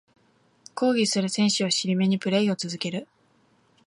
抗議する選手を尻目にプレイを続ける